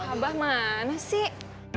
abah mana sih